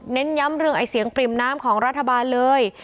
เน้นย้ำเรื่องไอ้เสียงปริ่มน้ำของรัฐบาลเลย